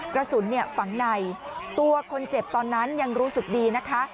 กระสุนฝังในตัวคนเจ็บตอนนั้นยังรู้สึกดีนะคะ